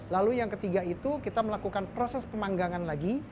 lalu yang ketiga itu kita melakukan proses pemanggangan lagi